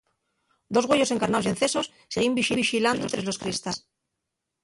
Dos güeyos encarnaos y encesos siguíen vixilando tres los cristales.